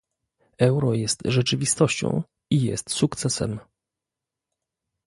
euro jest rzeczywistością i jest sukcesem